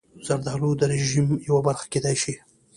زردالو د رژیم یوه برخه کېدای شي.